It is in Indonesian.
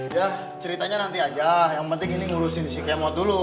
ya ceritanya nanti aja yang penting ini ngurusin si kemo dulu